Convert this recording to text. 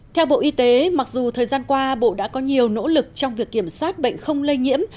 theo bộ y tế mặc dù thời gian qua bộ đã có nhiều nỗ lực trong việc kiểm soát bệnh không lây nhiễm